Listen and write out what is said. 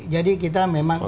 jadi kita memang